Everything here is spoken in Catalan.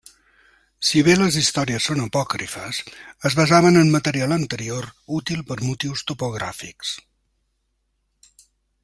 Si bé les històries són apòcrifes, es basaven en material anterior, útil per motius topogràfics.